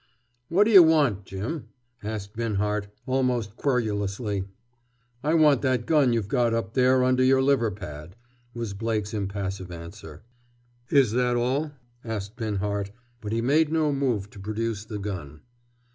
"What do you want, Jim?" asked Binhart, almost querulously. "I want that gun you've got up there under your liver pad," was Blake's impassive answer. "Is that all?" asked Binhart. But he made no move to produce the gun.